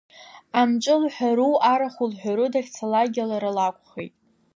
Амҿы лҳәару, арахә лҳәару, дахьцалакгьы лара лакәхеит.